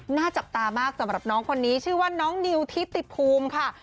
หน้าจับตามากสำหรับน้องคนนี้ชื่อว่าน้องนิวทิติภูมิค่ะ